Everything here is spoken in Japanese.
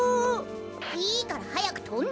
いいからはやくとんで！